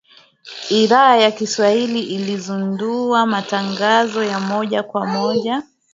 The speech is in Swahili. Idhaa ya Kiswahili ilizindua matangazo ya moja kwa moja